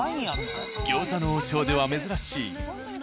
「餃子の王将」では珍しい何？